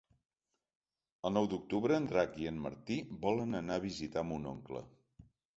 El nou d'octubre en Drac i en Martí volen anar a visitar mon oncle.